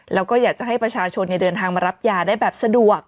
แล้วก็อยากจะให้ประชาชนเดินทางมารับยาได้แบบสะดวก